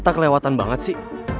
ata kelewatan banget sih